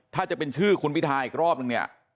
ถ้าจะเป็นชื่อคุณพี่ทายอีกรอบนึง